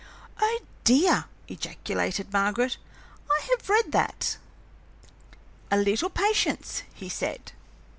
"Oh, dear!" ejaculated Margaret. "I have read that." "A little patience," he said.